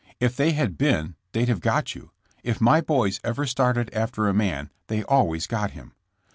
If they had been they'd have got yon. If my boys ever started after a man they always got him.